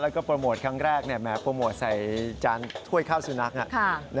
แล้วก็โปรโมทครั้งแรกแม้โปรโมทใส่จานถ้วยข้าวสุนัข